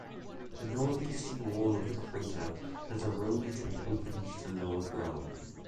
The northeastern wall of the crater has eroded and opens to lower ground.